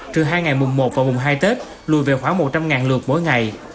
trừ hai ngày mùng một và mùng hai tết lùi về khoảng một trăm linh lượt mỗi ngày